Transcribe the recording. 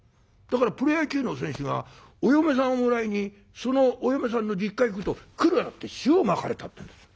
だからプロ野球の選手がお嫁さんをもらいにそのお嫁さんの実家に行くと来るなって塩まかれたってんです。